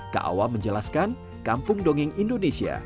kak awam menjelaskan kampung dongeng indonesia